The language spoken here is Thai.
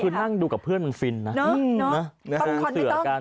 คุณนั่งดูกับเพื่อนมันฟินนะ